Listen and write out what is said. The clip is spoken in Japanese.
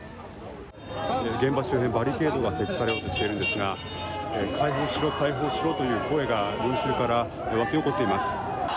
現場周辺、バリケードが設置されようとしているんですが解放しろ解放しろという声が群衆から湧き起こっています。